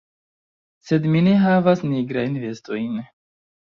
Sed mi ne havas nigrajn vestojn.